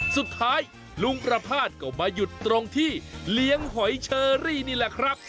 สุดท้ายลุงประภาษณ์ก็มาหยุดตรงที่เลี้ยงหอยเชอรี่นี่แหละครับ